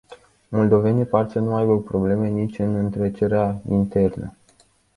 Moldovenii par să nu aibă probleme nici în întrecerea internă.